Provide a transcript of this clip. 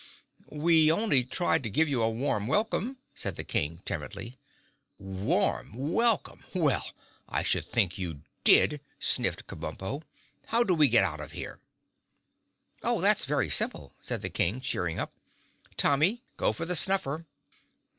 "We only tried to give you a warm welcome," said the King timidly. "Warm welcome! Well I should think you did," sniffed Kabumpo. "How do we get out of here?" "Oh, that's very simple," said the King, cheering up. "Tommy, go for the Snuffer."